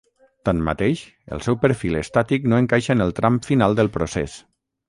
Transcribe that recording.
Tanmateix, el seu perfil estàtic no encaixa en el tram final del procés.